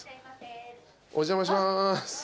お邪魔します。